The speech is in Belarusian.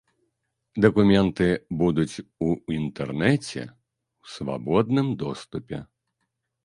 Дакументы будуць у інтэрнэце ў свабодным доступе.